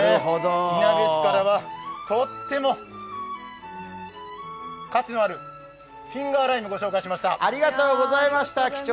いなべ市からはとっても価値のあるフィンガーライムご紹介しました。